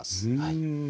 うん。